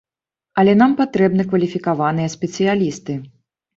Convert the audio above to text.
Але нам патрэбны кваліфікаваныя спецыялісты.